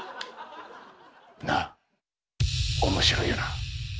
なあ面白いよな？